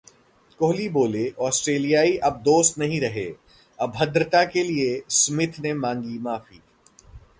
कोहली बोले- ऑस्ट्रेलियाई अब दोस्त नहीं रहे, अभद्रता के लिए स्मिथ ने मांगी माफी